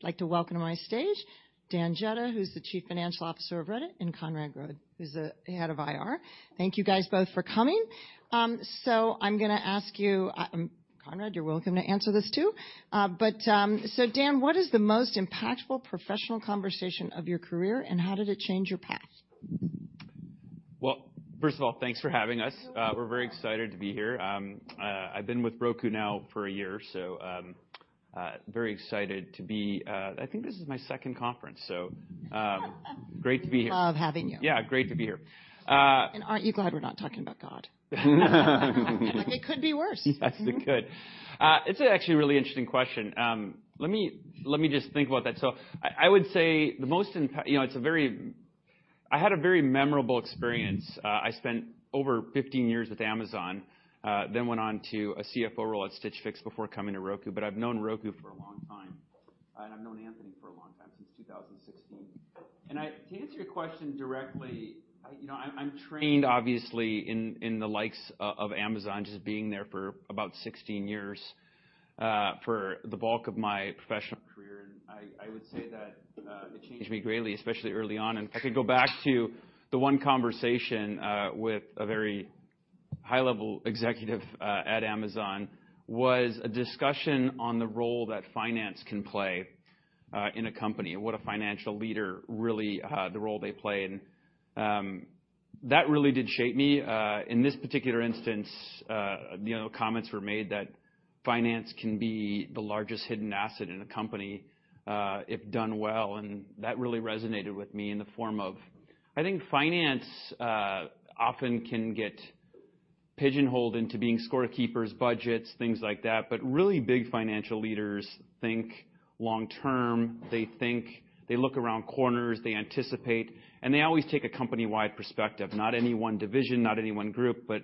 I'd like to welcome to my stage Dan Jedda, who's the Chief Financial Officer of Roku, and Conrad Grodd, who's the Head of IR. Thank you guys both for coming. So I'm gonna ask you, Conrad, you're welcome to answer this, too. So Dan, what is the most impactful professional conversation of your career, and how did it change your path? Well, first of all, thanks for having us. You're welcome. We're very excited to be here. I've been with Roku now for a year, so very excited to be... I think this is my second conference. Great to be here. Love having you. Yeah, great to be here. Aren't you glad we're not talking about God? It could be worse. Yes, it could. It's actually a really interesting question. Let me just think about that. So I would say... You know, I had a very memorable experience. I spent over 15 years with Amazon, then went on to a CFO role at Stitch Fix before coming to Roku. But I've known Roku for a long time, and I've known Anthony for a long time, since 2016. And to answer your question directly, I... You know, I'm trained, obviously, in the likes of Amazon, just being there for about 16 years, for the bulk of my professional career, and I would say that it changed me greatly, especially early on. I could go back to the one conversation with a very high-level executive at Amazon was a discussion on the role that finance can play in a company and what a financial leader really the role they play. That really did shape me. In this particular instance you know comments were made that finance can be the largest hidden asset in a company if done well and that really resonated with me in the form of I think finance often can get pigeonholed into being scorekeepers budgets things like that. But really big financial leaders think long term. They think. They look around corners they anticipate and they always take a company-wide perspective. Not any one division, not any one group, but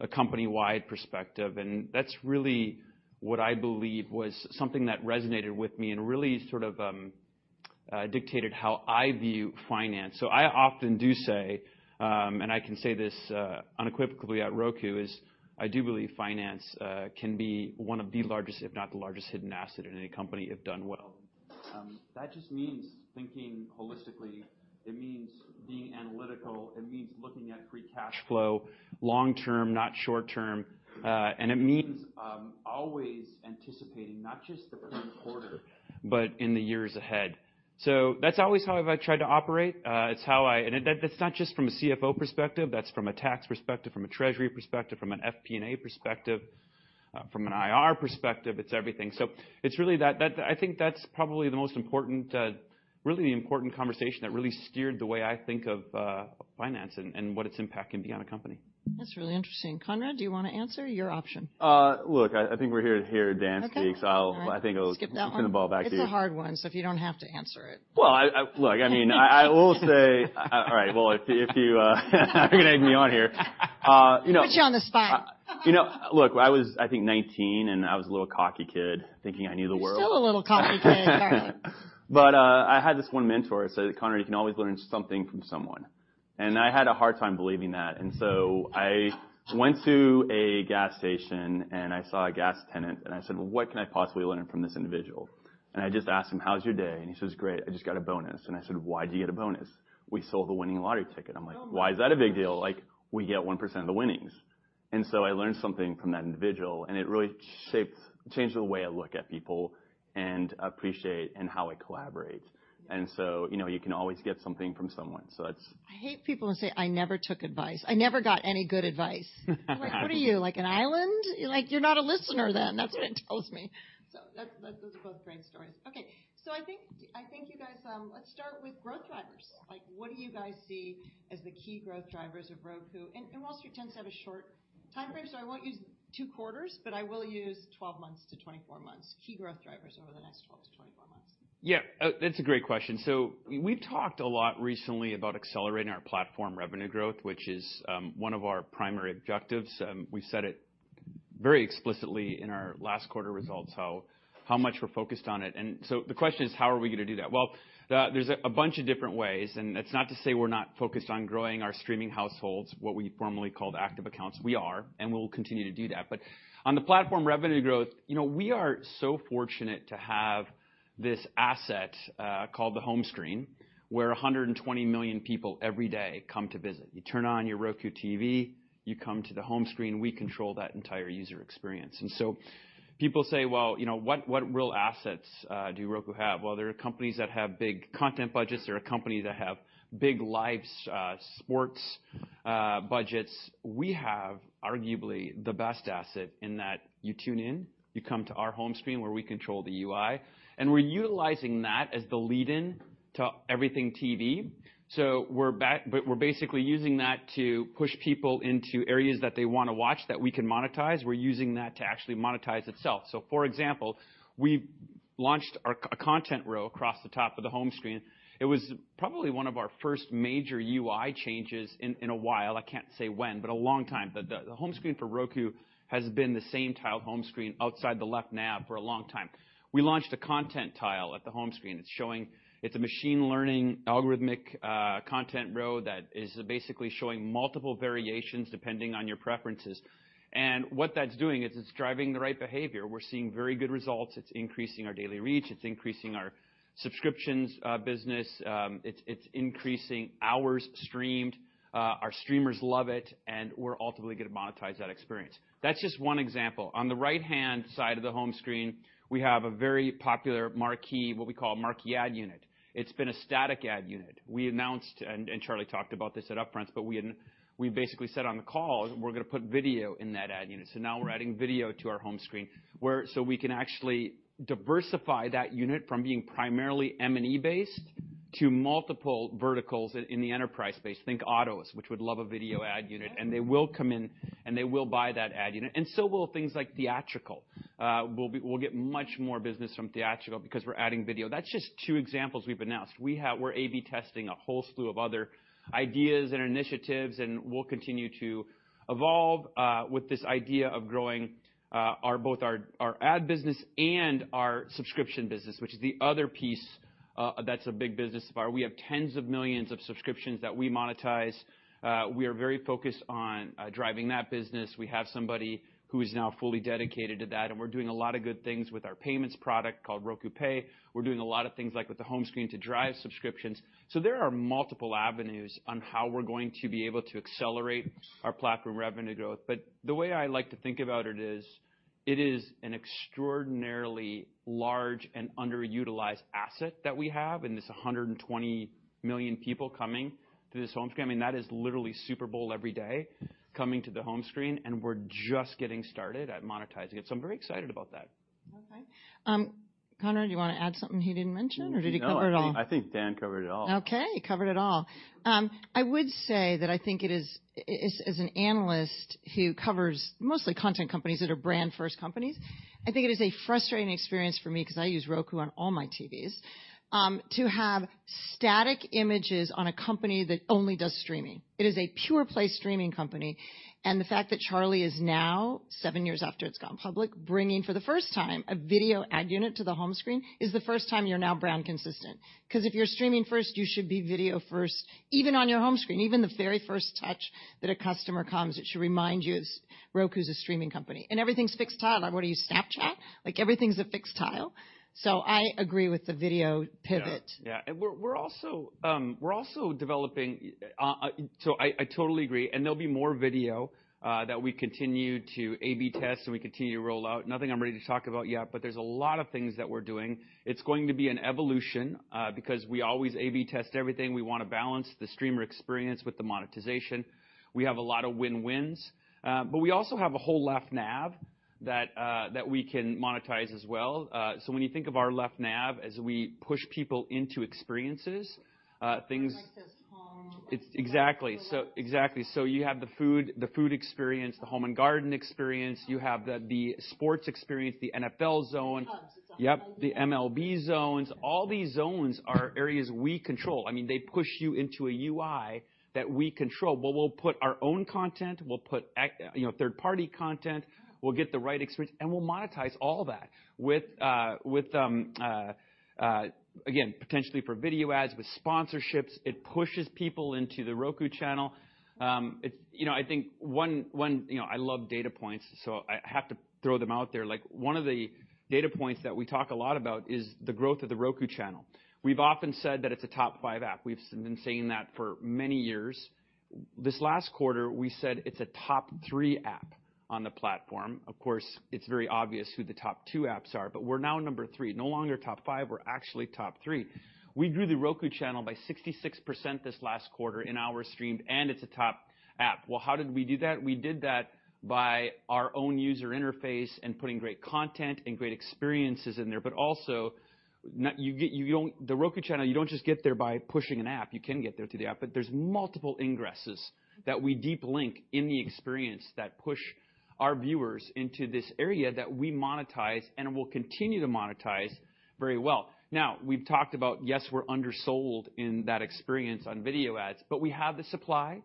a company-wide perspective, and that's really what I believe was something that resonated with me and really sort of dictated how I view finance. So I often do say, and I can say this unequivocally at Roku, is, I do believe finance can be one of the largest, if not the largest, hidden asset in any company, if done well. That just means thinking holistically. It means being analytical. It means looking at free cash flow, long term, not short term. And it means always anticipating, not just the current quarter, but in the years ahead. So that's always how I've tried to operate. That's not just from a CFO perspective, that's from a tax perspective, from a treasury perspective, from an FP&A perspective, from an IR perspective. It's everything. So it's really that... I think that's probably the most important, really the important conversation that really steered the way I think of finance and what its impact can be on a company. That's really interesting. Conrad, do you want to answer? Your option. Look, I think we're here to hear Dan speak- Okay. So I think I'll- Skip that one. Send the ball back to you. It's a hard one, so you don't have to answer it. Well, look, I mean, I will say. All right, well, if you, you're gonna egg me on here. You know. Put you on the spot. You know, look, I was, I think, 19, and I was a little cocky kid, thinking I knew the world. You're still a little cocky kid. All right. But, I had this one mentor who said, "Conrad, you can always learn something from someone." And I had a hard time believing that, and so I went to a gas station, and I saw a gas attendant, and I said: "Well, what can I possibly learn from this individual?" And I just asked him: "How's your day?" And he says: "Great, I just got a bonus." And I said: "Why'd you get a bonus?" "We sold the winning lottery ticket. Oh, my gosh! I'm like: "Why is that a big deal?" "Like, we get 1% of the winnings." And so I learned something from that individual, and it really shaped, changed the way I look at people and appreciate, and how I collaborate. And so, you know, you can always get something from someone. So it's- I hate people who say, "I never took advice. I never got any good advice." I'm like, What are you, like an island? Like, you're not a listener then. That's what it tells me. So that, that... Those are both great stories. Okay, so I think you guys, let's start with growth drivers. Like, what do you guys see as the key growth drivers of Roku? And Wall Street tends to have a short timeframe, so I won't use 2 quarters, but I will use 12-24 months. Key growth drivers over the next 12-24 months. Yeah. That's a great question. So we've talked a lot recently about accelerating our platform revenue growth, which is one of our primary objectives. We've said it very explicitly in our last quarter results, how, how much we're focused on it. And so the question is, how are we gonna do that? Well, there's a bunch of different ways, and it's not to say we're not focused on growing our streaming households, what we formerly called active accounts. We are, and we'll continue to do that. But on the platform revenue growth, you know, we are so fortunate to have this asset called the home screen, where 120 million people every day come to visit. You turn on your Roku TV, you come to the home screen, we control that entire user experience. And so people say: "Well, you know, what, what real assets do Roku have?" Well, there are companies that have big content budgets. There are companies that have big live sports budgets. We have, arguably, the best asset in that you tune in, you come to our home screen, where we control the UI, and we're utilizing that as the lead-in to everything TV. So we're back, but we're basically using that to push people into areas that they wanna watch, that we can monetize. We're using that to actually monetize itself. So for example, we launched our a content row across the top of the home screen. It was probably one of our first major UI changes in a while. I can't say when, but a long time. The home screen for Roku has been the same tiled home screen outside the left nav for a long time. We launched a content tile at the home screen. It's showing, it's a machine learning, algorithmic content row that is basically showing multiple variations depending on your preferences. And what that's doing is it's driving the right behavior. We're seeing very good results. It's increasing our daily reach, it's increasing our subscriptions business, it's increasing hours streamed, our streamers love it, and we're ultimately gonna monetize that experience. That's just one example. On the right-hand side of the home screen, we have a very popular marquee, what we call a marquee ad unit. It's been a static ad unit. We announced, and Charlie talked about this at Upfronts, but we basically said on the call, "We're gonna put video in that ad unit." So now we're adding video to our home screen, so we can actually diversify that unit from being primarily M&E based to multiple verticals in the enterprise space. Think autos, which would love a video ad unit, and they will come in, and they will buy that ad unit, and so will things like theatrical. We'll get much more business from theatrical because we're adding video. That's just two examples we've announced. We're A/B testing a whole slew of other ideas and initiatives, and we'll continue to evolve with this idea of growing both our ad business and our subscription business, which is the other piece that's a big business of ours. We have tens of millions of subscriptions that we monetize. We are very focused on driving that business. We have somebody who is now fully dedicated to that, and we're doing a lot of good things with our payments product called Roku Pay. We're doing a lot of things like with the home screen to drive subscriptions. So there are multiple avenues on how we're going to be able to accelerate our platform revenue growth. The way I like to think about it is, it is an extraordinarily large and underutilized asset that we have, and there's 120 million people coming to this home screen. I mean, that is literally Super Bowl every day, coming to the home screen, and we're just getting started at monetizing it. I'm very excited about that. Okay. Conrad, do you wanna add something he didn't mention, or did he cover it all? No, I think Dan covered it all. Okay, he covered it all. I would say that I think it is, as, as an analyst who covers mostly content companies that are brand-first companies, I think it is a frustrating experience for me, because I use Roku on all my TVs, to have static images on a company that only does streaming. It is a pure play streaming company, and the fact that Charlie is now, seven years after it's gone public, bringing for the first time, a video ad unit to the home screen, is the first time you're now brand consistent. Because if you're streaming first, you should be video first, even on your home screen. Even the very first touch that a customer comes, it should remind you as Roku is a streaming company. And everything's fixed tile. Like, what are you, Snapchat? Like, everything's a fixed tile. I agree with the video pivot. Yeah. Yeah, and we're also developing. So I totally agree, and there'll be more video that we continue to A/B test and we continue to roll out. Nothing I'm ready to talk about yet, but there's a lot of things that we're doing. It's going to be an evolution because we always A/B test everything. We wanna balance the streamer experience with the monetization. We have a lot of win-wins, but we also have a whole left nav that we can monetize as well. So when you think of our left nav, as we push people into experiences, things- Like this home- Exactly. So, exactly. So you have the food, the food experience, the home and garden experience. You have the, the sports experience, the NFL Zone. Hubs. Yep, the MLB Zones. All these zones are areas we control. I mean, they push you into a UI that we control, but we'll put our own content, we'll put you know, third-party content, we'll get the right experience, and we'll monetize all that with, again, potentially for video ads, with sponsorships. It pushes people into the Roku channel. It's... You know, I think one, you know, I love data points, so I have to throw them out there. Like, one of the data points that we talk a lot about is the growth of the Roku channel. We've often said that it's a top five app. We've been saying that for many years. This last quarter, we said it's a top three app on the platform. Of course, it's very obvious who the top two apps are, but we're now number three. No longer top five, we're actually top three. We grew The Roku Channel by 66% this last quarter in hours streamed, and it's a top app. Well, how did we do that? We did that by our own user interface and putting great content and great experiences in there. But also, you don't—the Roku Channel, you don't just get there by pushing an app. You can get there to the app, but there's multiple ingresses that we deep link in the experience that push our viewers into this area that we monetize and will continue to monetize very well. Now, we've talked about, yes, we're undersold in that experience on video ads, but we have the supply.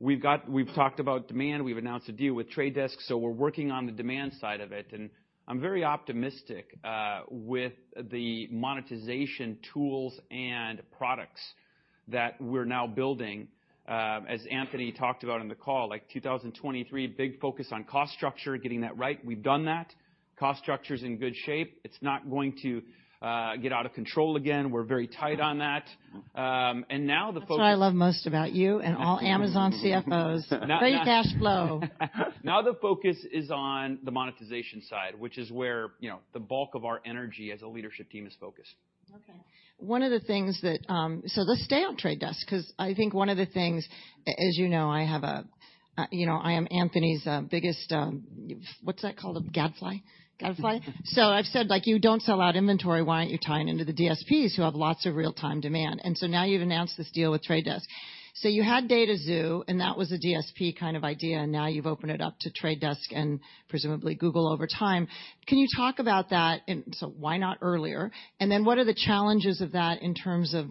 We've talked about demand, we've announced a deal with Trade Desk, so we're working on the demand side of it, and I'm very optimistic with the monetization tools and products that we're now building. As Anthony talked about on the call, like 2023, big focus on cost structure, getting that right. We've done that. Cost structure's in good shape. It's not going to get out of control again. We're very tight on that. And now the focus- That's what I love most about you and all Amazon CFOs. Free cash flow. Now, the focus is on the monetization side, which is where, you know, the bulk of our energy as a leadership team is focused. Okay. One of the things that, So let's stay on Trade Desk, 'cause I think one of the things, as you know, I have a, you know, I am Anthony's biggest, what's that called? A gadfly? Gadfly. So I've said, like: You don't sell out inventory, why aren't you tying into the DSPs who have lots of real-time demand? And so now you've announced this deal with Trade Desk. So you had Dataxu, and that was a DSP kind of idea, and now you've opened it up to Trade Desk and presumably Google over time. Can you talk about that? And so why not earlier? And then what are the challenges of that in terms of,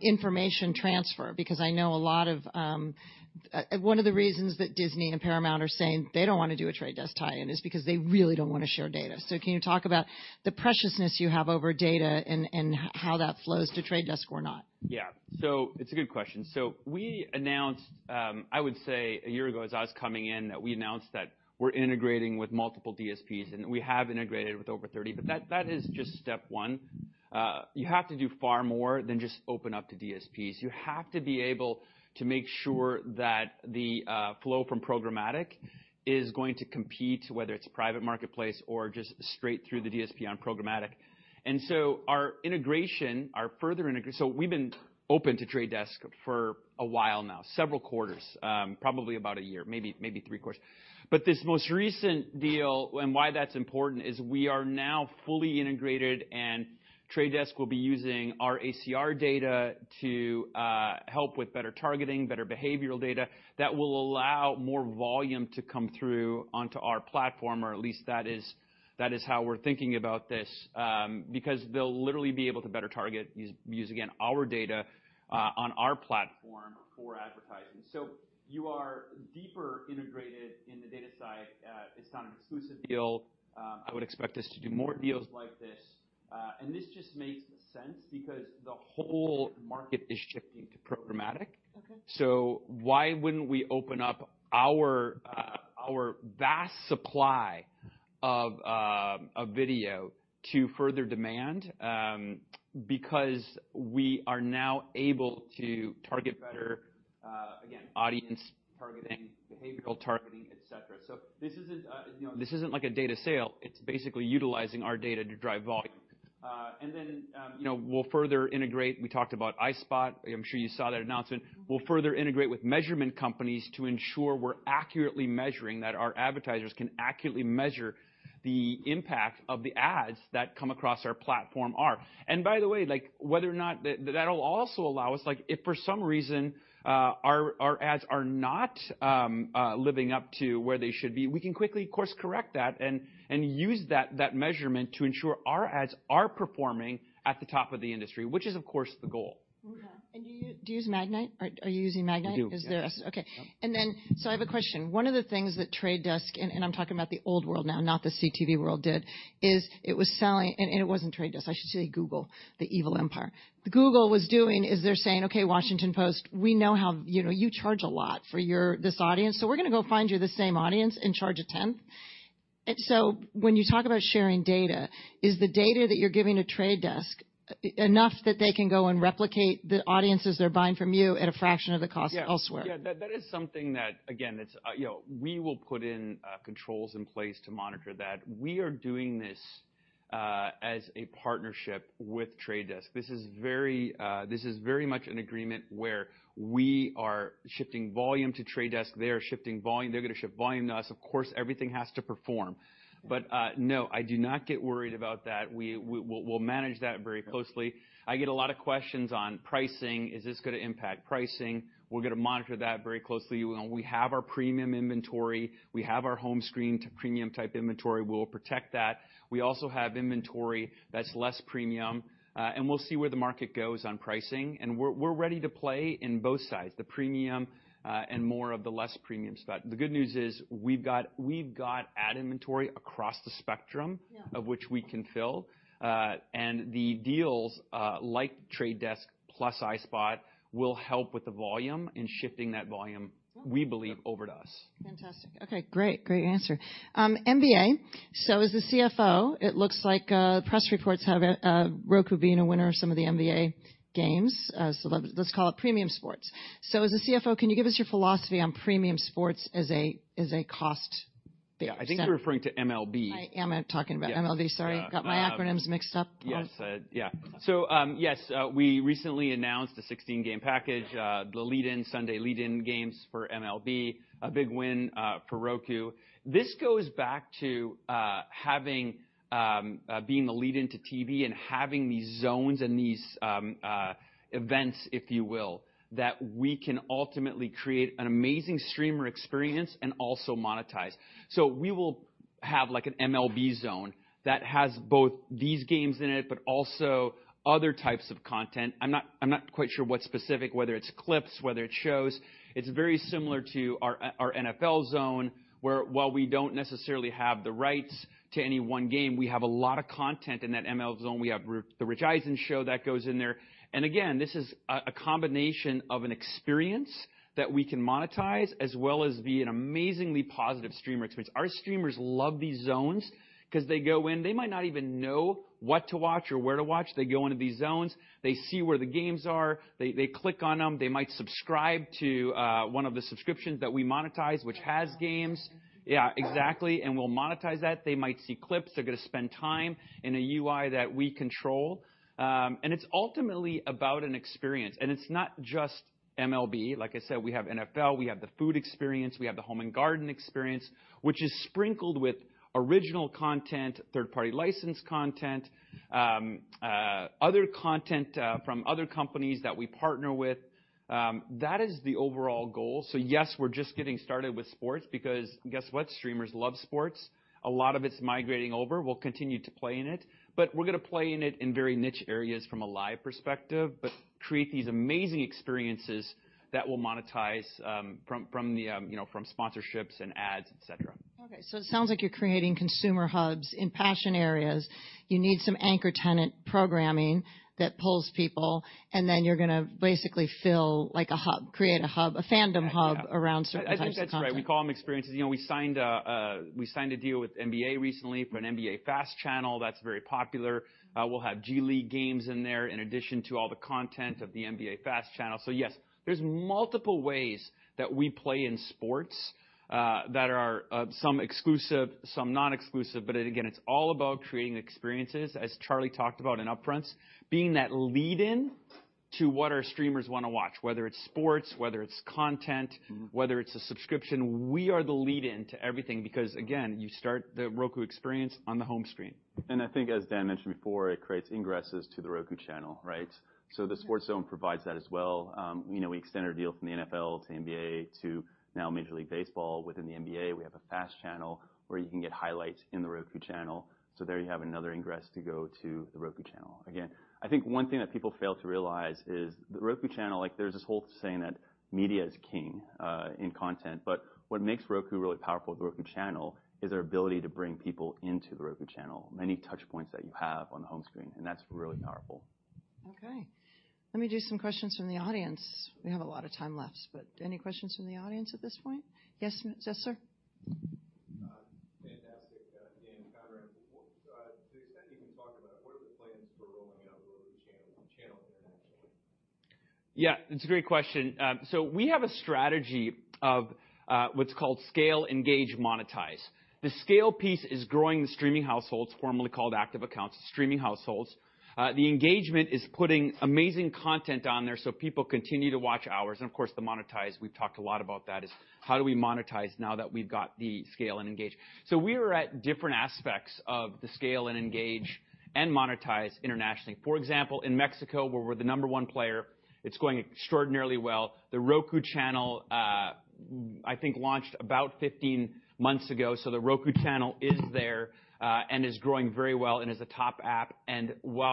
information transfer? Because I know a lot of one of the reasons that Disney and Paramount are saying they don't wanna do a The Trade Desk tie-in is because they really don't wanna share data. So can you talk about the preciousness you have over data and how that flows to The Trade Desk or not? Yeah. So it's a good question. So we announced, I would say a year ago, as I was coming in, that we announced that we're integrating with multiple DSPs, and we have integrated with over 30, but that, that is just step one. You have to do far more than just open up to DSPs. You have to be able to make sure that the flow from programmatic is going to compete, whether it's private marketplace or just straight through the DSP on programmatic. And so our integration, our further integration, so we've been open to Trade Desk for a while now, several quarters, probably about a year, maybe, maybe three quarters. But this most recent deal and why that's important is we are now fully integrated, and Trade Desk will be using our ACR data to help with better targeting, better behavioral data that will allow more volume to come through onto our platform, or at least that is how we're thinking about this. Because they'll literally be able to better target, use use, again, our data on our platform for advertising. So you are deeper integrated in the data side. It's not an exclusive deal. I would expect us to do more deals like this. And this just makes sense because the whole market is shifting to programmatic. Okay. So why wouldn't we open up our vast supply of video to further demand? Because we are now able to target better, again, audience targeting, behavioral targeting, et cetera. So this isn't, you know, this isn't like a data sale. It's basically utilizing our data to drive volume. And then, you know, we'll further integrate. We talked about iSpot. I'm sure you saw that announcement. We'll further integrate with measurement companies to ensure we're accurately measuring, that our advertisers can accurately measure the impact of the ads that come across our platform are. And by the way, like, whether or not, that'll also allow us, like, if for some reason, our ads are not living up to where they should be, we can quickly, of course, correct that and use that measurement to ensure our ads are performing at the top of the industry, which is, of course, the goal. Mm-hmm. And do you, do you use Magnite? Are, are you using Magnite? We do. Is there a... Okay. Yeah. I have a question. One of the things that The Trade Desk, and I'm talking about the old world now, not the CTV world, did is it was selling—and it wasn't The Trade Desk. I should say Google, the evil empire. Google was doing is they're saying: Okay, The Washington Post, we know how, you know, you charge a lot for your, this audience, so we're gonna go find you the same audience and charge a tenth. So when you talk about sharing data, is the data that you're giving to The Trade Desk enough that they can go and replicate the audiences they're buying from you at a fraction of the cost elsewhere? Yeah. Yeah, that, that is something that, again, it's, you know, we will put in controls in place to monitor that. We are doing this as a partnership with Trade Desk. This is very, this is very much an agreement where we are shifting volume to Trade Desk. They are shifting volume. They're gonna ship volume to us. Of course, everything has to perform. Yeah. But no, I do not get worried about that. We'll manage that very closely. I get a lot of questions on pricing. Is this gonna impact pricing? We're gonna monitor that very closely. We have our premium inventory, we have our home screen to premium-type inventory. We'll protect that. We also have inventory that's less premium, and we'll see where the market goes on pricing, and we're ready to play in both sides, the premium, and more of the less premium spot. The good news is we've got ad inventory across the spectrum- Yeah of which we can fill. The deals, like Trade Desk plus iSpot, will help with the volume and shifting that volume. Oh We believe, over to us. Fantastic. Okay, great. Great answer. NBA, so as the CFO, it looks like press reports have Roku being a winner of some of the NBA games, so let's call it premium sports. So as the CFO, can you give us your philosophy on premium sports as a cost basis? I think you're referring to MLB. I am talking about MLB. Yeah. Sorry. Uh, um- Got my acronyms mixed up. Yes, yeah. So, yes, we recently announced a 16-game package, the lead-in, Sunday lead-in games for MLB, a big win, for Roku. This goes back to having being the lead-in to TV and having these zones and these events, if you will, that we can ultimately create an amazing streamer experience and also monetize. So we will have like an MLB zone that has both these games in it, but also other types of content. I'm not, I'm not quite sure what specific, whether it's clips, whether it's shows. It's very similar to our, our NFL zone, where while we don't necessarily have the rights to any one game, we have a lot of content in that MLB zone. We have the Rich Eisen Show that goes in there. Again, this is a combination of an experience that we can monetize, as well as be an amazingly positive streamer experience. Our streamers love these zones 'cause they go in, they might not even know what to watch or where to watch. They go into these zones, they see where the games are, they click on them. They might subscribe to one of the subscriptions that we monetize, which has games. Yeah. Yeah, exactly, and we'll monetize that. They might see clips. They're gonna spend time in a UI that we control. And it's ultimately about an experience. And it's not just MLB. Like I said, we have NFL, we have the food experience, we have the home and garden experience, which is sprinkled with original content, third-party licensed content, other content from other companies that we partner with, that is the overall goal. So yes, we're just getting started with sports because guess what? Streamers love sports. A lot of it's migrating over. We'll continue to play in it, but we're gonna play in it in very niche areas from a live perspective, but create these amazing experiences that will monetize from the you know, from sponsorships and ads, et cetera. Okay, so it sounds like you're creating consumer hubs in passion areas. You need some anchor tenant programming that pulls people, and then you're gonna basically fill, like, a hub, create a hub, a fandom hub- Yeah. around certain types of content. I think that's right. We call them experiences. You know, we signed a deal with NBA recently for an NBA FAST Channel. That's very popular. We'll have G League games in there, in addition to all the content of the NBA FAST Channel. So yes, there's multiple ways that we play in sports, that are some exclusive, some non-exclusive, but again, it's all about creating experiences, as Charlie talked about in upfront, being that lead-in to what our streamers wanna watch, whether it's sports, whether it's content- Mm-hmm. Whether it's a subscription. We are the lead-in to everything because, again, you start the Roku experience on the home screen. I think, as Dan mentioned before, it creates ingresses to The Roku Channel, right? Yes. So the Sports Zone provides that as well. You know, we extend our deal from the NFL to NBA to now Major League Baseball. Within the NBA, we have a FAST Channel where you can get highlights in The Roku Channel. So there you have another ingress to go to The Roku Channel. Again, I think one thing that people fail to realize is The Roku Channel, like, there's this whole saying that media is king in content, but what makes Roku really powerful with The Roku Channel is our ability to bring people into The Roku Channel, many touch points that you have on the home screen, and that's really powerful. Okay. Let me do some questions from the audience. We have a lot of time left, but any questions from the audience at this point? Yes, yes, sir. Fantastic. Dan, Conrad, to the extent you can talk about it, what are the plans for rolling out The Roku Channel, the channel internationally? Yeah, it's a great question. So we have a strategy of what's called scale, engage, monetize. The scale piece is growing the streaming households, formerly called active accounts, streaming households. The engagement is putting amazing content on there so people continue to watch hours. And of course, the monetize, we've talked a lot about that, is how do we monetize now that we've got the scale and engage? So we are at different aspects of the scale and engage and monetize internationally. For example, in Mexico, where we're the number one player, it's going extraordinarily well. The Roku Channel, I think, launched about 15 months ago, so The Roku Channel is there, and is growing very well and is a top app. And we're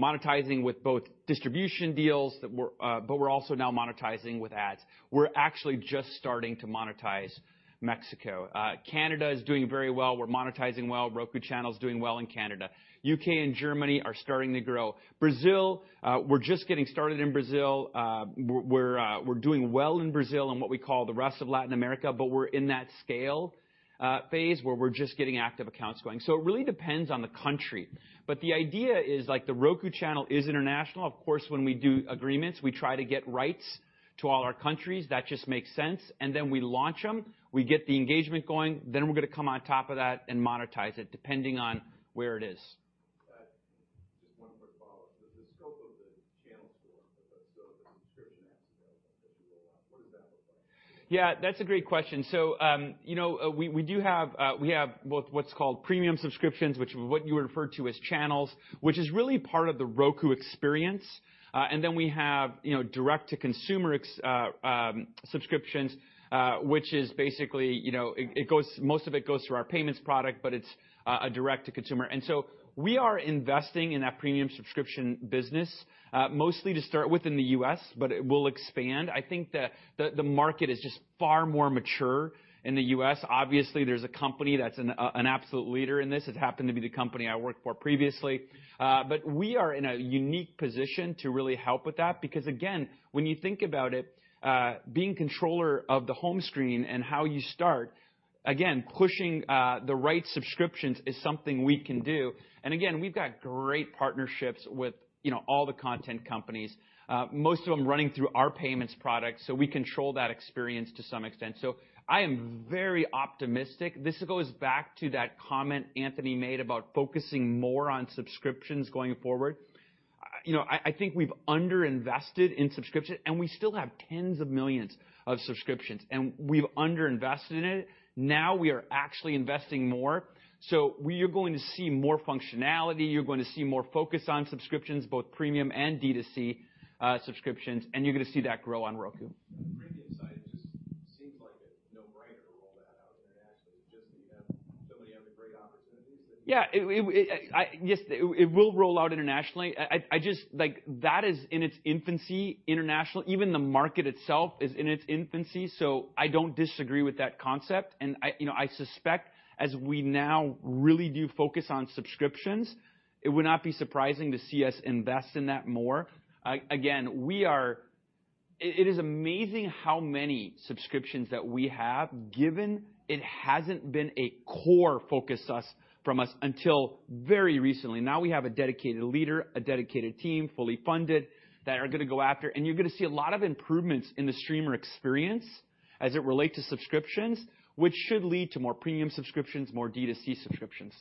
monetizing with both distribution deals that we're, but we're also now monetizing with ads. We're actually just starting to monetize Mexico. Canada is doing very well. We're monetizing well. The Roku Channel is doing well in Canada. UK and Germany are starting to grow. Brazil, we're just getting started in Brazil. We're doing well in Brazil and what we call the rest of Latin America, but we're in that scale phase, where we're just getting active accounts going. So it really depends on the country. But the idea is, like, The Roku Channel is international. Of course, when we do agreements, we try to get rights to all our countries. That just makes sense, and then we launch them. We get the engagement going, then we're gonna come on top of that and monetize it, depending on where it is. Just one quick follow-up. The scope of the channel store, so the subscription apps available as you roll out, what does that look like? Yeah, that's a great question. So, you know, we do have both what's called premium subscriptions, which is what you referred to as channels, which is really part of the Roku experience. And then we have, you know, direct-to-consumer subscriptions, which is basically, you know, it goes, most of it goes through our payments product, but it's a direct-to-consumer. And so we are investing in that premium subscription business, mostly to start within the U.S., but it will expand. I think the market is just far more mature in the U.S. Obviously, there's a company that's an absolute leader in this. It happened to be the company I worked for previously. But we are in a unique position to really help with that, because again, when you think about it, being controller of the home screen and how you start, again, pushing, the right subscriptions is something we can do. And again, we've got great partnerships with, you know, all the content companies, most of them running through our payments product, so we control that experience to some extent. So I am very optimistic. This goes back to that comment Anthony made about focusing more on subscriptions going forward. You know, I think we've underinvested in subscriptions, and we still have tens of millions of subscriptions, and we've underinvested in it. Now we are actually investing more, so we are going to see more functionality. You're going to see more focus on subscriptions, both premium and D2C, subscriptions, and you're gonna see that grow on Roku. On the premium side, it just seems like a no-brainer to roll that out internationally. Just, you have-- somebody having great opportunities that- Yeah, it will roll out internationally. I just like, that is in its infancy internationally. Even the market itself is in its infancy, so I don't disagree with that concept. And you know, I suspect as we now really do focus on subscriptions, it would not be surprising to see us invest in that more. Again, it is amazing how many subscriptions that we have, given it hasn't been a core focus from us until very recently. Now, we have a dedicated leader, a dedicated team, fully funded, that are gonna go after, and you're gonna see a lot of improvements in the streamer experience as it relate to subscriptions, which should lead to more premium subscriptions, more D2C subscriptions....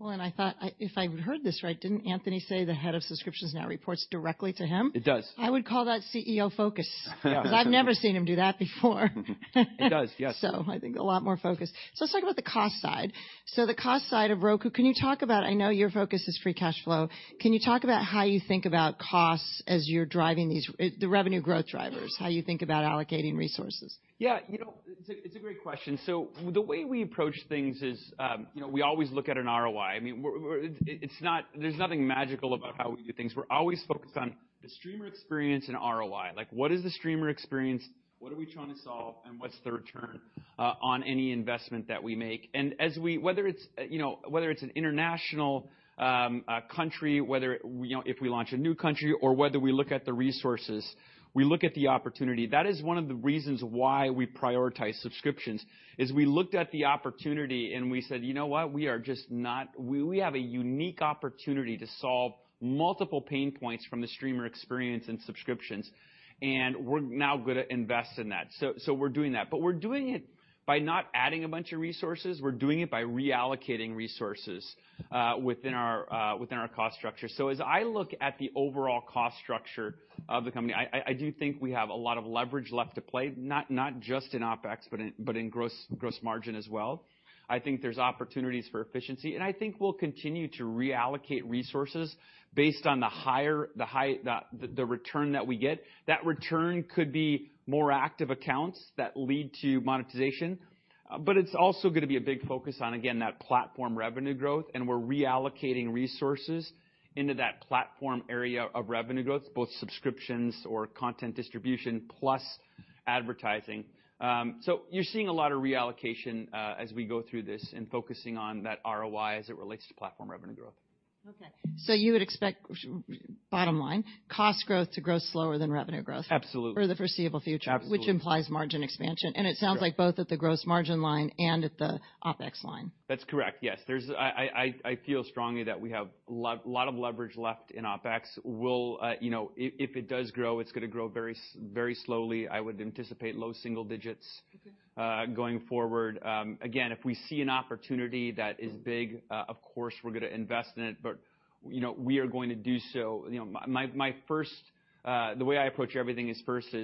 Well, and I thought I, if I heard this right, didn't Anthony say the head of subscriptions now reports directly to him? It does. I would call that CEO focus. Yeah. Because I've never seen him do that before. He does, yes. I think a lot more focus. Let's talk about the cost side. The cost side of Roku, can you talk about--I know your focus is free cash flow. Can you talk about how you think about costs as you're driving these, the revenue growth drivers? How you think about allocating resources? Yeah, you know, it's a great question. So the way we approach things is, you know, we always look at an ROI. I mean, we're-- it's not-- there's nothing magical about how we do things. We're always focused on the streamer experience and ROI. Like, what is the streamer experience? What are we trying to solve, and what's the return on any investment that we make? And as we-- whether it's, you know, whether it's an international country, whether, you know, if we launch a new country or whether we look at the resources, we look at the opportunity. That is one of the reasons why we prioritize subscriptions, is we looked at the opportunity, and we said: You know what? We have a unique opportunity to solve multiple pain points from the streamer experience and subscriptions, and we're now gonna invest in that. So we're doing that. But we're doing it by not adding a bunch of resources. We're doing it by reallocating resources within our cost structure. So as I look at the overall cost structure of the company, I do think we have a lot of leverage left to play, not just in OpEx, but in gross margin as well. I think there's opportunities for efficiency, and I think we'll continue to reallocate resources based on the higher return that we get. That return could be more active accounts that lead to monetization, but it's also gonna be a big focus on, again, that platform revenue growth, and we're reallocating resources into that platform area of revenue growth, both subscriptions or content distribution, plus advertising. So you're seeing a lot of reallocation, as we go through this and focusing on that ROI as it relates to platform revenue growth. Okay. So you would expect, bottom line, cost growth to grow slower than revenue growth. Absolutely. for the foreseeable future? Absolutely. Which implies margin expansion. Sure. It sounds like both at the gross margin line and at the OpEx line. That's correct, yes. There is. I feel strongly that we have a lot of leverage left in OpEx. We'll, you know, if it does grow, it's gonna grow very slowly. I would anticipate low single digits- Okay ... going forward. Again, if we see an opportunity that is big, of course, we're gonna invest in it, but, you know, we are going to do so... You know, my first, the way I approach everything is first,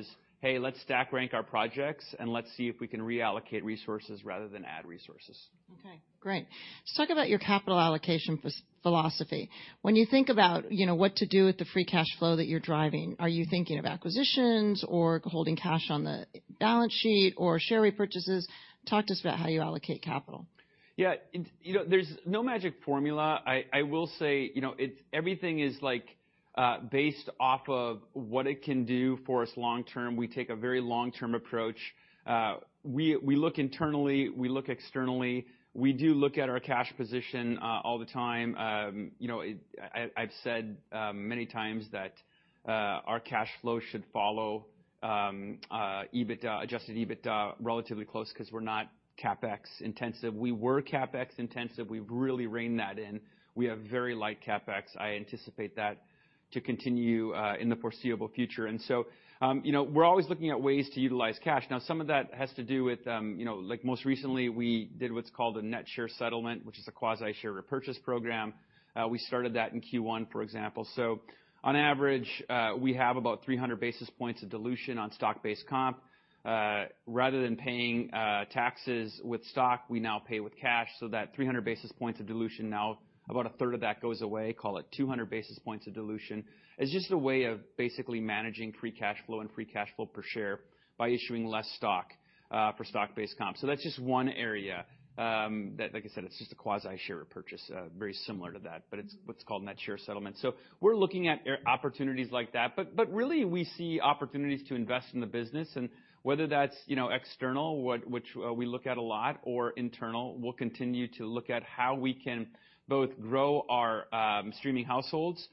hey, let's stack rank our projects, and let's see if we can reallocate resources rather than add resources. Okay, great. Let's talk about your capital allocation philosophy. When you think about, you know, what to do with the Free Cash Flow that you're driving, are you thinking of acquisitions or holding cash on the balance sheet or share repurchases? Talk to us about how you allocate capital. Yeah, and, you know, there's no magic formula. I will say, you know, it's everything is like based off of what it can do for us long term. We take a very long-term approach. We look internally, we look externally. We do look at our cash position all the time. You know, I've said many times that our cash flow should follow EBITDA, Adjusted EBITDA, relatively close because we're not CapEx intensive. We were CapEx intensive. We've really reined that in. We have very light CapEx. I anticipate that to continue in the foreseeable future. And so, you know, we're always looking at ways to utilize cash. Now, some of that has to do with, you know, like most recently, we did what's called a Net Share Settlement, which is a quasi-share repurchase program. We started that in Q1, for example. So on average, we have about 300 basis points of dilution on stock-based comp. Rather than paying taxes with stock, we now pay with cash, so that 300 basis points of dilution, now about a third of that goes away, call it 200 basis points of dilution. It's just a way of basically managing free cash flow and free cash flow per share by issuing less stock for stock-based comp. So that's just one area, that, like I said, it's just a quasi-share repurchase, very similar to that, but it's what's called net share settlement. So we're looking at M&A opportunities like that, but really, we see opportunities to invest in the business, and whether that's, you know, external, which we look at a lot or internal, we'll continue to look at how we can both grow our streaming households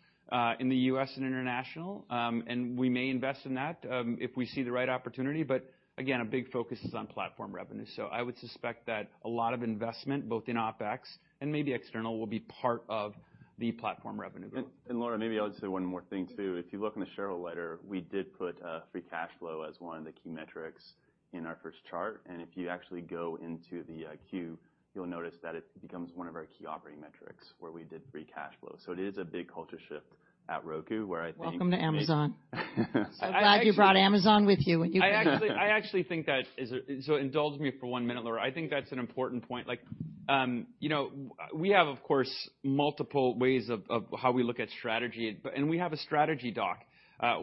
in the U.S. and international. And we may invest in that if we see the right opportunity. But again, a big focus is on platform revenue. So I would suspect that a lot of investment, both in OpEx and maybe external, will be part of the platform revenue growth. And, Laura, maybe I'll just say one more thing, too. If you look in the shareholder letter, we did put Free Cash Flow as one of the key metrics in our first chart. And if you actually go into the Q&A, you'll notice that it becomes one of our key operating metrics, where we did Free Cash Flow. So it is a big culture shift at Roku, where I think- Welcome to Amazon. I'm glad you brought Amazon with you when you came. I actually think that is a... So indulge me for one minute, Laura. I think that's an important point. Like, you know, we have, of course, multiple ways of how we look at strategy, but and we have a strategy doc,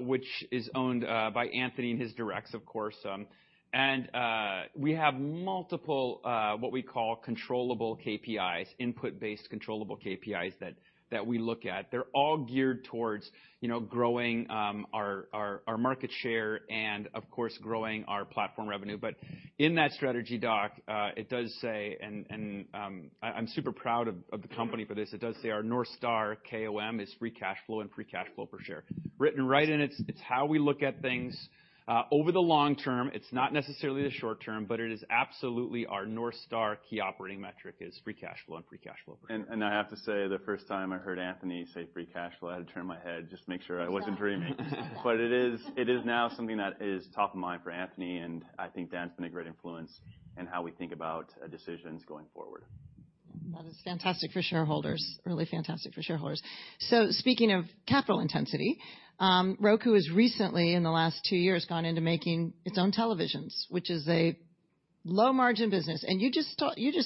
which is owned by Anthony and his directs, of course. And we have multiple what we call controllable KPIs, input-based controllable KPIs that we look at. They're all geared towards, you know, growing our market share and, of course, growing our platform revenue. But in that strategy doc, it does say, and I'm super proud of the company for this, it does say our North Star KOM is free cash flow and free cash flow per share. Written right in it, it's how we look at things over the long term. It's not necessarily the short term, but it is absolutely our North Star key operating metric is Free Cash Flow and Free Cash Flow per share. I have to say, the first time I heard Anthony say Free Cash Flow, I had to turn my head just to make sure I wasn't dreaming. But it is, it is now something that is top of mind for Anthony, and I think Dan's been a great influence in how we think about decisions going forward. ... That is fantastic for shareholders, really fantastic for shareholders. So speaking of capital intensity, Roku has recently, in the last 2 years, gone into making its own televisions, which is a low-margin business. And you just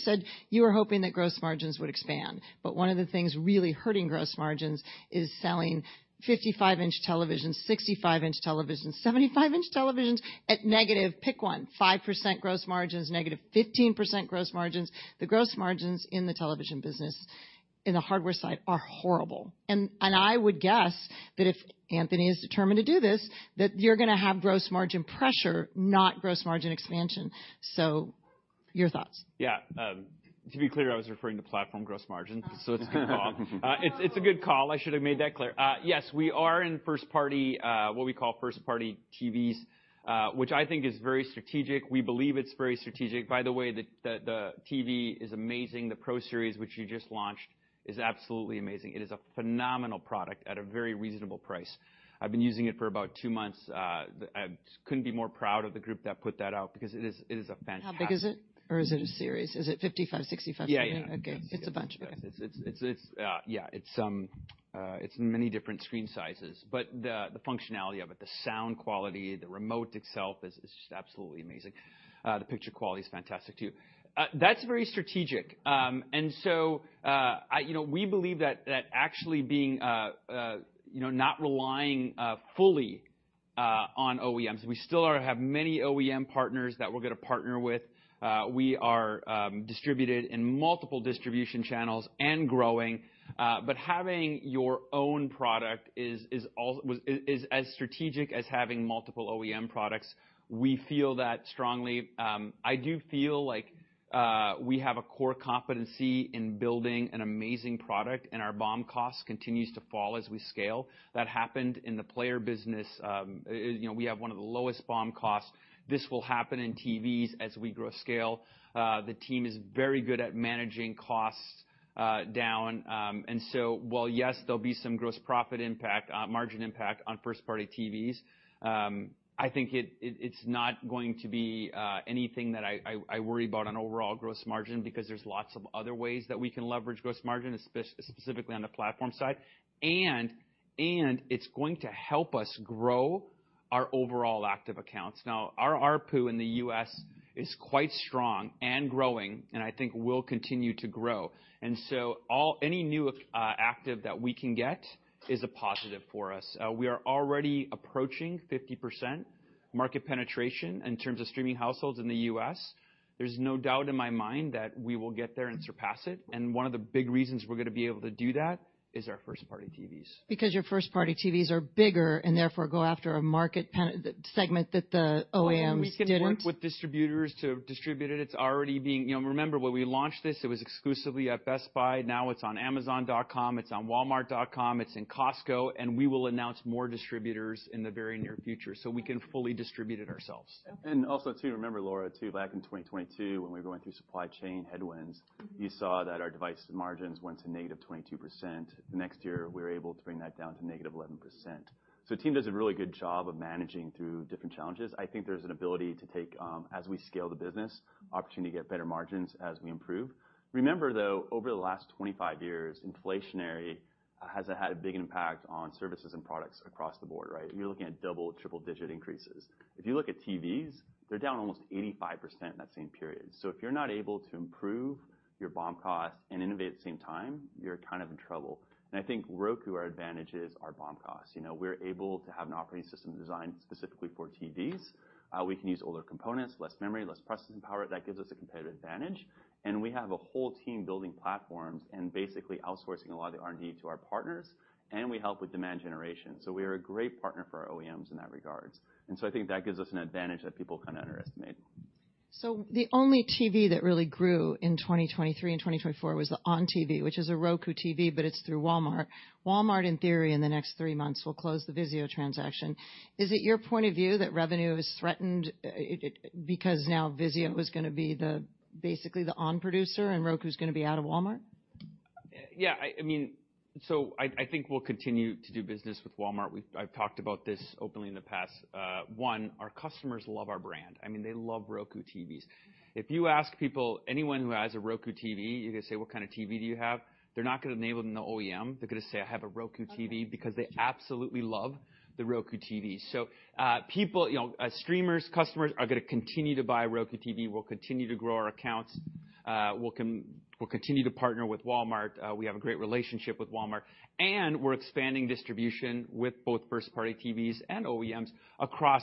said you were hoping that gross margins would expand, but one of the things really hurting gross margins is selling 55-inch televisions, 65-inch televisions, 75-inch televisions at negative, pick one, 5% gross margins, negative 15% gross margins. The gross margins in the television business, in the hardware side, are horrible. And I would guess that if Anthony is determined to do this, that you're gonna have gross margin pressure, not gross margin expansion. So your thoughts? Yeah, to be clear, I was referring to platform gross margin. So it's a good call. It's a good call. I should have made that clear. Yes, we are in first party, what we call first-party TVs, which I think is very strategic. We believe it's very strategic. By the way, the TV is amazing. The Pro Series, which you just launched, is absolutely amazing. It is a phenomenal product at a very reasonable price. I've been using it for about two months. I couldn't be more proud of the group that put that out because it is a fantastic- How big is it? Or is it a series? Is it 55, 65? Yeah, yeah. Okay. It's a bunch. It's many different screen sizes, but the functionality of it, the sound quality, the remote itself is just absolutely amazing. The picture quality is fantastic, too. That's very strategic. And so, I... You know, we believe that actually being, you know, not relying fully on OEMs, we still have many OEM partners that we're gonna partner with. We are distributed in multiple distribution channels and growing, but having your own product is as strategic as having multiple OEM products. We feel that strongly. I do feel like we have a core competency in building an amazing product, and our BOM cost continues to fall as we scale. That happened in the player business. You know, we have one of the lowest BOM costs. This will happen in TVs as we grow scale. The team is very good at managing costs down. And so while, yes, there'll be some gross profit impact, margin impact on first-party TVs, I think it, it's not going to be anything that I worry about on overall gross margin, because there's lots of other ways that we can leverage gross margin, specifically on the platform side. And it's going to help us grow our overall active accounts. Now, our ARPU in the US is quite strong and growing, and I think will continue to grow. And so any new active that we can get is a positive for us. We are already approaching 50% market penetration in terms of streaming households in the U.S. There's no doubt in my mind that we will get there and surpass it, and one of the big reasons we're gonna be able to do that is our first-party TVs. Because your first-party TVs are bigger and therefore go after a market penetration segment that the OEMs didn't? Well, we can work with distributors to distribute it. It's already being... You know, remember, when we launched this, it was exclusively at Best Buy. Now it's on Amazon.com, it's on Walmart.com, it's in Costco, and we will announce more distributors in the very near future, so we can fully distribute it ourselves. And also, too, remember, Laura, too, back in 2022, when we were going through supply chain headwinds, you saw that our device margins went to negative 22%. The next year, we were able to bring that down to negative 11%. So the team does a really good job of managing through different challenges. I think there's an ability to take, as we scale the business, opportunity to get better margins as we improve. Remember, though, over the last 25 years, inflation has had a big impact on services and products across the board, right? You're looking at double, triple-digit increases. If you look at TVs, they're down almost 85% in that same period. So if you're not able to improve your BOM cost and innovate at the same time, you're kind of in trouble. And I think Roku, our advantage is our BOM costs. You know, we're able to have an operating system designed specifically for TVs. We can use older components, less memory, less processing power. That gives us a competitive advantage, and we have a whole team building platforms and basically outsourcing a lot of the R&D to our partners, and we help with demand generation. So we are a great partner for our OEMs in that regard. And so I think that gives us an advantage that people kind of underestimate. So the only TV that really grew in 2023 and 2024 was the onn. TV, which is a Roku TV, but it's through Walmart. Walmart, in theory, in the next three months, will close the VIZIO transaction. Is it your point of view that revenue is threatened, because now VIZIO is gonna be the, basically the onn. producer, and Roku is gonna be out of Walmart? Yeah, I mean... So I think we'll continue to do business with Walmart. I've talked about this openly in the past. One, our customers love our brand. I mean, they love Roku TVs. If you ask people, anyone who has a Roku TV, you're gonna say: What kind of TV do you have? They're not gonna name them the OEM. They're gonna say: I have a Roku TV, because they absolutely love the Roku TV. So, people, you know, streamers, customers are gonna continue to buy Roku TV. We'll continue to grow our accounts. We'll continue to partner with Walmart. We have a great relationship with Walmart, and we're expanding distribution with both first-party TVs and OEMs across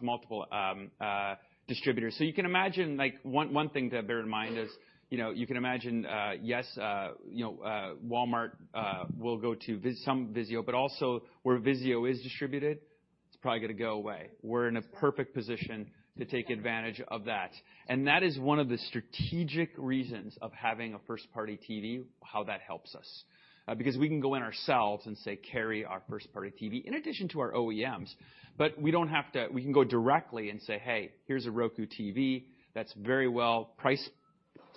multiple distributors. So you can imagine, like, one thing to bear in mind is, you know, you can imagine, yes, you know, Walmart will go to VIZIO, but also, where VIZIO is distributed, it's probably gonna go away. We're in a perfect position to take advantage of that. And that is one of the strategic reasons of having a first-party TV, how that helps us, because we can go in ourselves and say, carry our first-party TV in addition to our OEMs, but we don't have to—we can go directly and say, "Hey, here's a Roku TV that's very well priced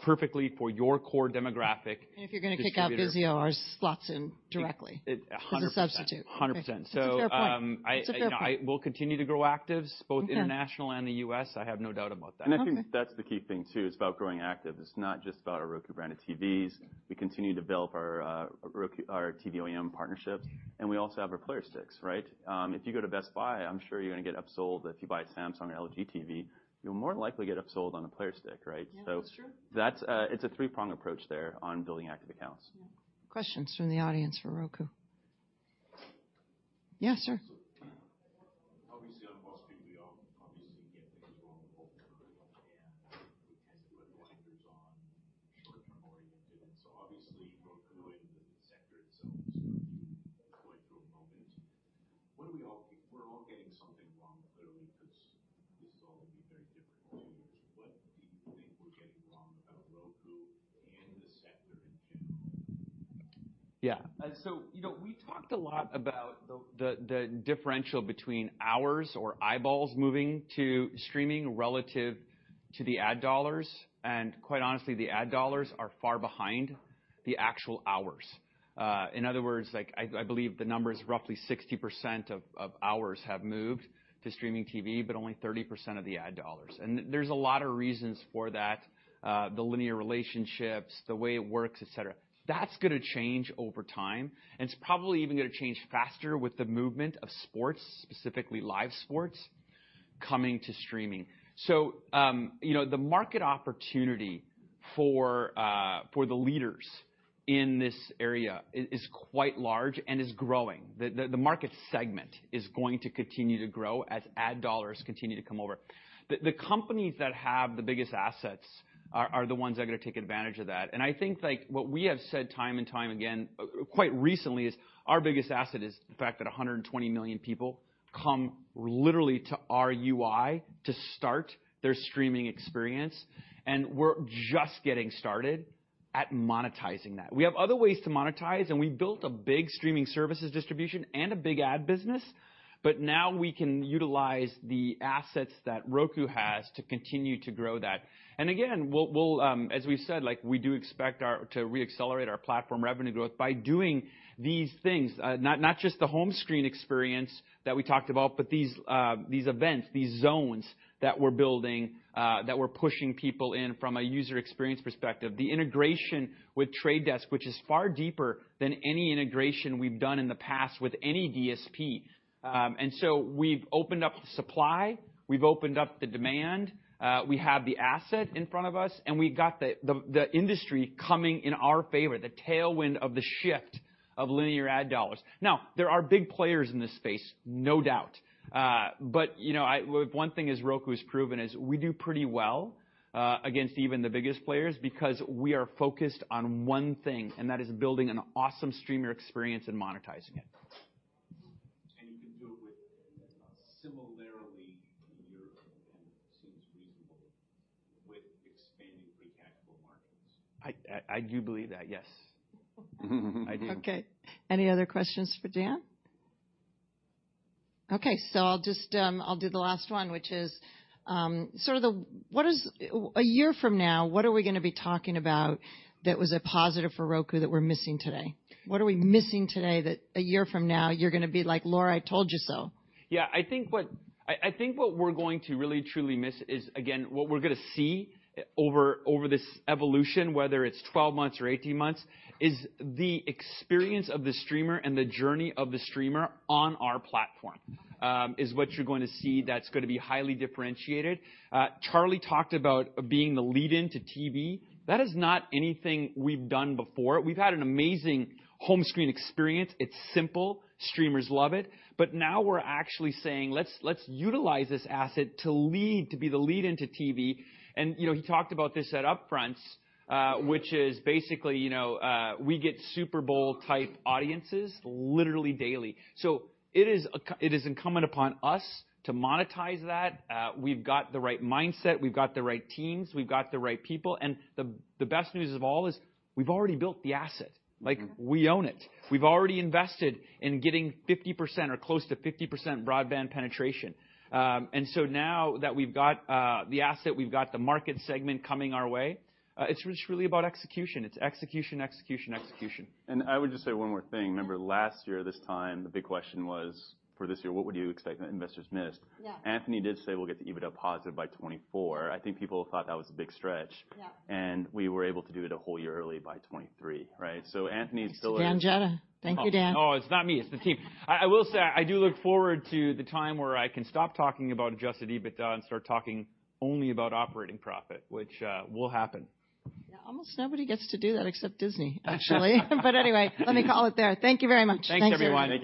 perfectly for your core demographic. And if you're gonna kick out VIZIO or slots in directly- It, 100%. As a substitute. Hundred percent. It's a fair point. So, It's a fair point.... we'll continue to grow actives- Okay both international and the U.S. I have no doubt about that. And I think that's the key thing, too, is about growing actives. It's not just about our Roku-branded TVs. We continue to build our Roku, our TV OEM partnerships, and we also have our player sticks, right? If you go to Best Buy, I'm sure you're gonna get upsold. If you buy Samsung or LG TV, you'll more likely get upsold on a player stick, right? Yeah, that's true. So that's, it's a three-prong approach there on building active accounts. Yeah. Questions from the audience for Roku? Yes, sir. Obviously, on Wall Street, we all obviously get things wrong all the time, and we tend to put blinders on, short-term oriented. So obviously, Roku and the sector itself going through a moment. What do we all... We're all getting something wrong, clearly, because this is all going to be very different in two years. What do you think we're getting wrong about Roku and the sector in general? Yeah. So, you know, we talked a lot about the differential between hours or eyeballs moving to streaming relative to the ad dollars. And quite honestly, the ad dollars are far behind the actual hours. In other words, like I believe the number is roughly 60% of hours have moved to streaming TV, but only 30% of the ad dollars. And there's a lot of reasons for that, the linear relationships, the way it works, et cetera. That's gonna change over time, and it's probably even gonna change faster with the movement of sports, specifically live sports, coming to streaming. So, you know, the market opportunity for the leaders in this area is quite large and is growing. The market segment is going to continue to grow as ad dollars continue to come over. The companies that have the biggest assets are the ones that are gonna take advantage of that. And I think, like, what we have said time and time again, quite recently, is our biggest asset is the fact that 120 million people come literally to our UI to start their streaming experience, and we're just getting started at monetizing that. We have other ways to monetize, and we built a big streaming services distribution and a big ad business, but now we can utilize the assets that Roku has to continue to grow that. And again, we'll, as we've said, like, we do expect to reaccelerate our platform revenue growth by doing these things, not just the home screen experience that we talked about, but these events, these zones that we're building, that we're pushing people in from a user experience perspective. The integration with The Trade Desk, which is far deeper than any integration we've done in the past with any DSP. And so we've opened up the supply, we've opened up the demand, we have the asset in front of us, and we've got the industry coming in our favor, the tailwind of the shift of linear ad dollars. Now, there are big players in this space, no doubt. But, you know, one thing as Roku has proven is we do pretty well against even the biggest players because we are focused on one thing, and that is building an awesome streamer experience and monetizing it. You can do it similarly in Europe, and it seems reasonable with expanding free cash flow margins. I do believe that, yes. I do. Okay. Any other questions for Dan? Okay, so I'll just, I'll do the last one, which is, sort of the—what is a year from now, what are we gonna be talking about that was a positive for Roku that we're missing today? What are we missing today that a year from now, you're gonna be like, "Laura, I told you so? Yeah, I think what we're going to really truly miss is, again, what we're gonna see over this evolution, whether it's 12 months or 18 months, is the experience of the streamer and the journey of the streamer on our platform is what you're going to see that's gonna be highly differentiated. Charlie talked about being the lead-in to TV. That is not anything we've done before. We've had an amazing home screen experience. It's simple. Streamers love it. But now we're actually saying, "Let's utilize this asset to lead, to be the lead into TV." And, you know, he talked about this at Upfronts, which is basically, you know, we get Super Bowl-type audiences literally daily. So it is incumbent upon us to monetize that. We've got the right mindset, we've got the right teams, we've got the right people, and the best news of all is we've already built the asset. Mm-hmm. Like, we own it. We've already invested in getting 50% or close to 50% broadband penetration. And so now that we've got the asset, we've got the market segment coming our way, it's just really about execution. It's execution, execution, execution. I would just say one more thing. Remember, last year this time, the big question was, for this year: What would you expect that investors missed? Yeah. Anthony did say we'll get to EBITDA positive by 2024. I think people thought that was a big stretch. Yeah. We were able to do it a whole year early by 2023, right? So Anthony still is- Dan Jedda. Thank you, Dan. Oh, it's not me, it's the team. I, I will say, I do look forward to the time where I can stop talking about Adjusted EBITDA and start talking only about operating profit, which will happen. Yeah, almost nobody gets to do that except Disney, actually. But anyway, let me call it there. Thank you very much. Thanks, everyone. Thank you.